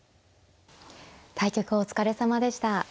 対局お疲れさまでした。